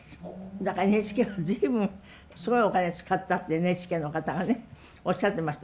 だからＮＨＫは随分すごいお金使ったってＮＨＫの方がねおっしゃってました。